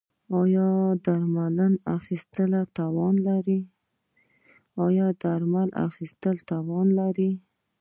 ایا د درملو اخیستلو توان لرئ؟